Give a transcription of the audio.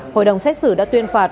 hội đồng xét xử đã tuyên phạt